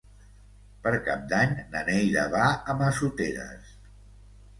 Per Cap d'Any na Neida va a Massoteres.